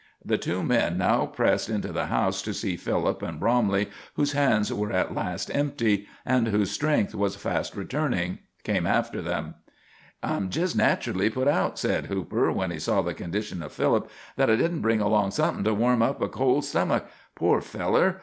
The two men now pressed into the house to see Philip, and Bromley, whose hands were at last empty, and whose strength was fast returning, came after them. "I'm jist nacherly put out," said Hooper, when he saw the condition of Philip, "that I didn't bring along somethin' to warm up a cold stomic. Poor feller!